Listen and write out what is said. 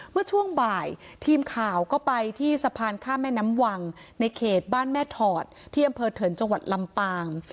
เมื่อช่วงบ่ายทีมข่าวก็ไปที่สะพานข้ามแม่น้ำวังในเขตบ้านแม่ถอดที่อำเภอเถินจังหวัดลำปาง